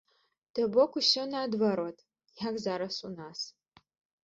То бок, усё наадварот, як зараз у нас.